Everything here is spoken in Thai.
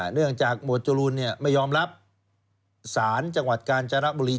เนื่องจากหมวดจรูนไม่ยอมรับสารจังหวัดกาญจนบุรี